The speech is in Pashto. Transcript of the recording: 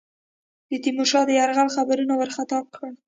د تیمورشاه د یرغل خبرونو وارخطا کړه.